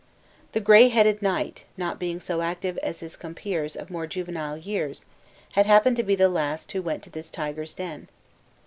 The gray headed knight, not being so active as his compeers of more juvenile years, happened to be the last who went to this tiger's den.